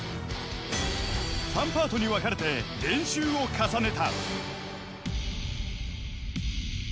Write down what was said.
［３パートに分かれて練習を重ねた］